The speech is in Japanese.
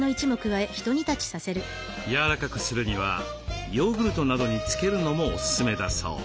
やわらかくするにはヨーグルトなどに漬けるのもおすすめだそう。